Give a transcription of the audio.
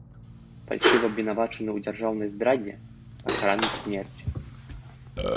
Фальшыва абвінавачаны ў дзяржаўнай здрадзе, пакараны смерцю.